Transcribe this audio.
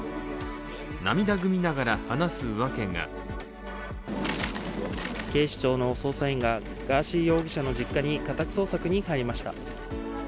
涙ぐみながら話す訳が警視庁の捜査員がガーシー容疑者の実家に家宅捜索に入りました。